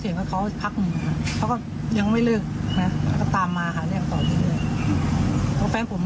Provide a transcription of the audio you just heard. อ๋ออยากให้ทำยังไงครับผม